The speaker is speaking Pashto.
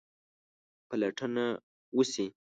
پلټنه وسي.